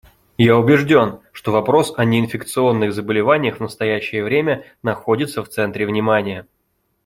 Я убежден, что вопрос о неинфекционных заболеваниях в настоящее время находится в центре внимания.